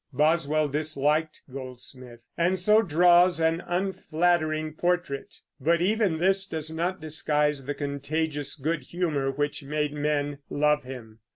Boswell disliked Goldsmith, and so draws an unflattering Portrait, but even this does not disguise the contagious good humor which made men love him.